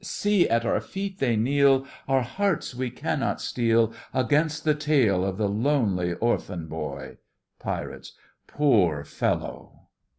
See at our feet they kneel; Our hearts we cannot steel Against the tale of the lonely orphan boy! PIRATES: Poor fellow!